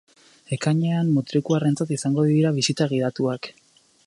Ekainean, mutrikuarrentzat izango dira bisita gidatuak.